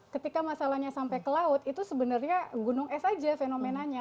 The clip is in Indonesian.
ketika masalahnya sampai ke laut itu sebenarnya gunung es saja fenomenanya